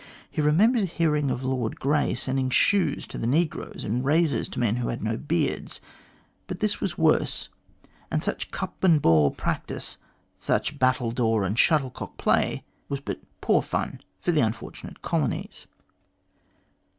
He remembered hearing of Earl Grey sending shoes to the negroes and razors to men who had no beards ; but this was worse, and such cup and ball practice, such battledore and shuttlecock play was but poor fun for the unfortunate colonies.